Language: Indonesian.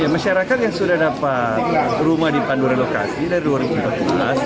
masyarakat yang sudah dapat rumah di pandu relokasi dari dua rupiah